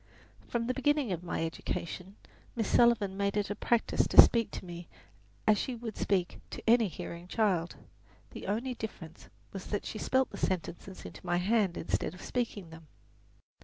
From the beginning of my education Miss Sullivan made it a practice to speak to me as she would speak to any hearing child; the only difference was that she spelled the sentences into my hand instead of speaking them.